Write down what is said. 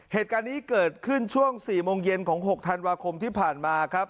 เหตุการณ์นี้เกิดขึ้นช่วง๔โมงเย็นของ๖ธันวาคมที่ผ่านมาครับ